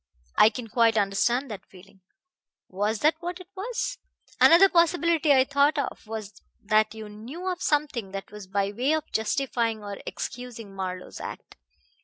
I can quite understand that feeling. Was that what it was? Another possibility I thought of was that you knew of something that was by way of justifying or excusing Marlowe's act.